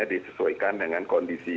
disesuaikan dengan kondisi